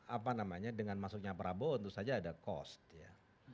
apa namanya dengan masuknya prabowo tentu saja ada cost ya